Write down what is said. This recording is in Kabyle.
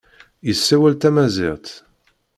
Yessawal tamaziɣt.